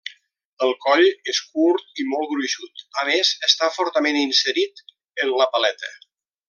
El coll és curt i molt gruixut, a més està fortament inserit en la paleta.